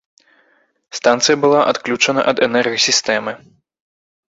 Станцыя была адключана ад энергасістэмы.